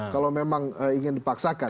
kalau memang ingin dipaksakan